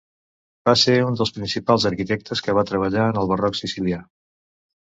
Va ser un dels principals arquitectes que va treballar en el barroc sicilià.